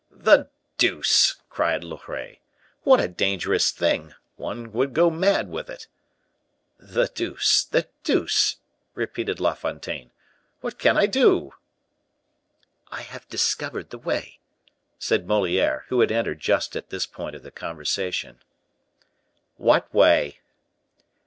"The deuce!" cried Loret; "what a dangerous thing! One would go mad with it!" "The deuce! the deuce!" repeated La Fontaine; "what can I do?" "I have discovered the way," said Moliere, who had entered just at this point of the conversation. "What way?"